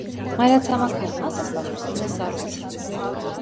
Մայրացամաքային մասը զբաղեցնում է սառույցը։